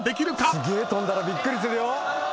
すげえ跳んだらびっくりするよ！